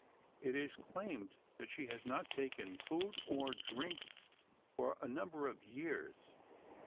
It is claimed that she has not taken food or drink for a number of years.